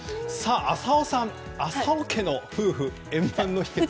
浅尾さん、浅尾家の夫婦円満の秘訣は？